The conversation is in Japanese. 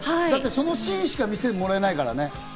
そのシーンしか見せてもらえないもんね。